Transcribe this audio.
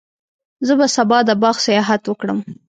زه به سبا د باغ سیاحت وکړم.